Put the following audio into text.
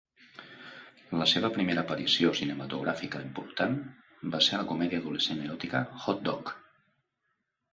La seva primera aparició cinematogràfica important va ser a la comèdia adolescent eròtica "Hot Dog"...